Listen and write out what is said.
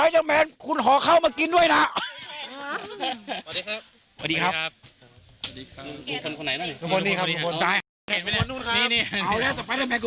ขอไลก์เซียนด้วยครับผม